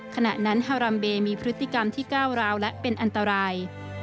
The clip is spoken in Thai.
ขณะนั้นฮารัมเบมีพฤติกรรมที่ก้าวร้าวและเป็นอันตราย